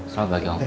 selamat pagi om